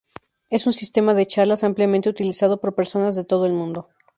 Es un sistema de charlas ampliamente utilizado por personas de todo el mundo.